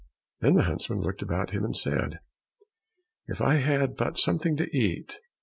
Then the huntsman looked about him and said, "If I had but something to eat!